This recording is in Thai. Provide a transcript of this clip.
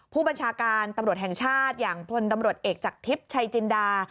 ผู้บัญชาการตำรวจแห่งชาติอย่างพลตำรวจเอกจากทิพย์ชัยจินดา